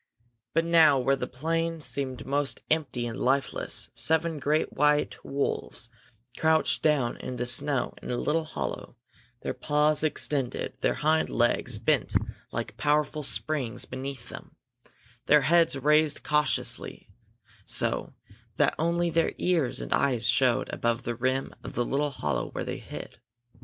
But now, where the plain seemed most empty and lifeless, seven great white wolves crouched down in the snow in a little hollow, their paws extended, their hind legs bent like powerful springs beneath them, their heads raised cautiously so that only their ears and eyes showed above the rim of the little hollow where they hid.